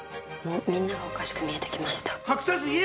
みんながおかしく見えてきました。